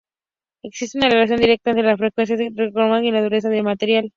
Existe una relación directa entre la frecuencia de resonancia y la dureza del material.